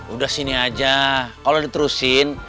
udah sini aja kalau diterusin